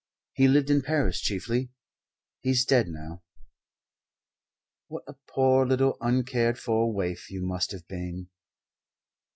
He lived in Paris chiefly. He's dead now." "What a poor little uncared for waif you must have been."